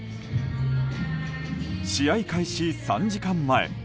試合開始３時間前。